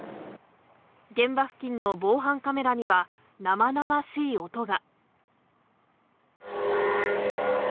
現場付近の防犯カメラには、なまなましい音が。